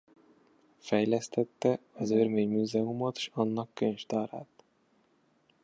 Fejlesztette az Örmény Múzeumot s annak könyvtárát.